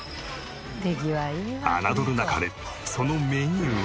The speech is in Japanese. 侮るなかれそのメニューは。